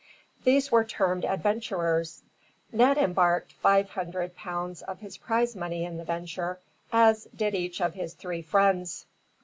These were termed adventurers. Ned embarked five hundred pounds of his prize money in the venture, as did each of his three friends.